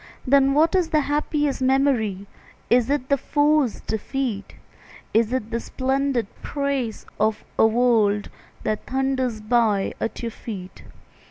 Then what is the happiest memory? Is it the foe's defeat? Is it the splendid praise of a world That thunders by at your feet?